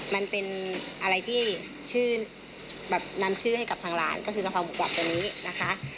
มันเป็นอะไรที่ชื่อแบบนำชื่อให้กับทางร้านก็คือกะเพราหมูกรอบตัวนี้นะคะ